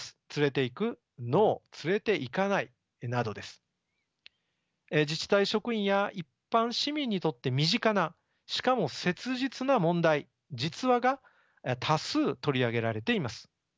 例えば自治体職員や一般市民にとって身近なしかも切実な問題実話が多数取り上げられています。